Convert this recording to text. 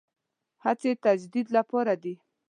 هڅې تجدید لپاره دي.